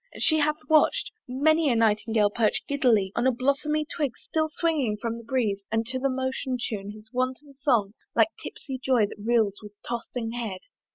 And she hath watch'd Many a Nightingale perch giddily On blosmy twig still swinging from the breeze, And to that motion tune his wanton song, Like tipsy Joy that reels with tossing head.